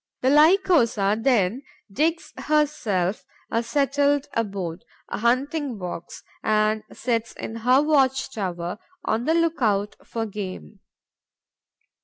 The Lycosa then digs herself a settled abode, a hunting box, and sits in her watch tower, on the look out for game.